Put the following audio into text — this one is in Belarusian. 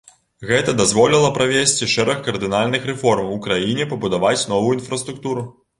Гэта дазволіла правесці шэраг кардынальных рэформ у краіне, пабудаваць новую інфраструктуру.